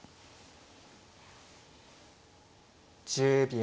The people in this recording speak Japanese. １０秒。